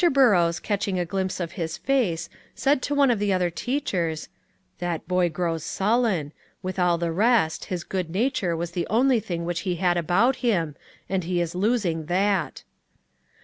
Burrows, catching a glimpse of his face, said to one of the other teachers, "That boy grows sullen; with all the rest, his good nature was the only good thing which he had about him, and he is losing that."